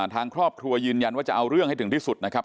ทางครอบครัวยืนยันว่าจะเอาเรื่องให้ถึงที่สุดนะครับ